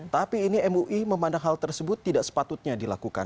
tapi ini mui memandang hal tersebut tidak sepatutnya dilakukan